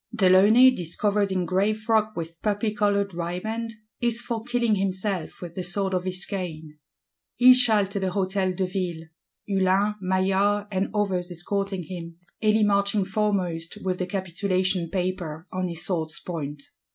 De Launay, "discovered in gray frock with poppy coloured riband," is for killing himself with the sword of his cane. He shall to the Hôtel de Ville; Hulin Maillard and others escorting him; Elie marching foremost "with the capitulation paper on his sword's point."